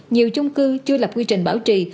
nhiều chung cư chưa lập quy trình bảo trì